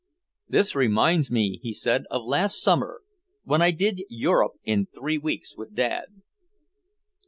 "This reminds me," he said, "of last summer when I did Europe in three weeks with Dad."